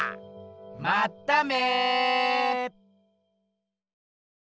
まっため！